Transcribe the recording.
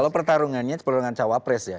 kalau pertarungannya seperti dengan cawapres ya